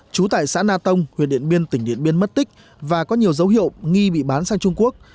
trú tại xã na tông huyện điện biên tỉnh điện biên mất tích và có nhiều dấu hiệu nghi bị bán sang trung quốc